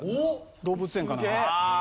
動物園かなんか。